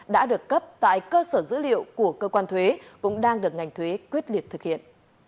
đã được cấp tại cơ sở dữ liệu của cơ quan thuế cũng đang được ngành thuế quyết liệt thực hiện